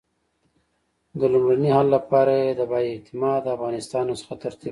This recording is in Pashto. د لومړني حل لپاره یې د با اعتماده افغانستان نسخه ترتیب کړه.